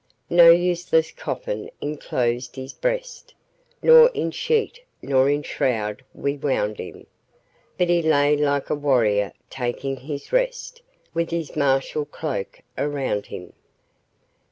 No useless coffin inclosed his breast, Nor in sheet nor in shroud we wound him; But he lay like a warrior taking his rest, With his martial cloak around him.